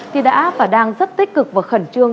thì đã và đang rất tích cực và khẩn trương